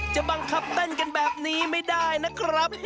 จะบังคับเต้นกันแบบนี้ไม่ได้นะครับ